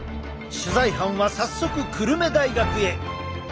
取材班は早速久留米大学へ。